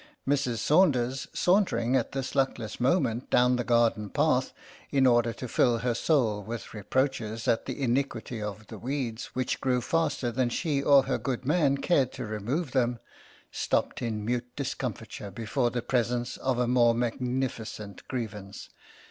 Mrs. Saunders, sauntering at this luckless moment down the garden path, in order to fill her soul with reproaches at the iniquity of the weeds, which grew faster than she or her good man cared to remove them, stopped in mute discomfiture before the presence of a more magnificent grievance.